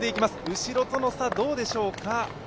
後ろとの差はどうでしょうか。